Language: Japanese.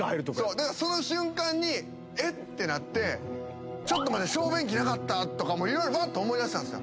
だからその瞬間にえっ！？ってなってちょっと待って小便器なかった？とか色々バッと思い出したんすよ。